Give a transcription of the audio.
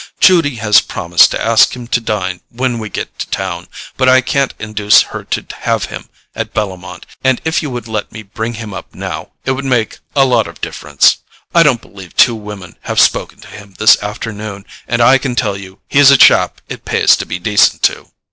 Judy has promised to ask him to dine when we get to town, but I can't induce her to have him at Bellomont, and if you would let me bring him up now it would make a lot of difference. I don't believe two women have spoken to him this afternoon, and I can tell you he's a chap it pays to be decent to."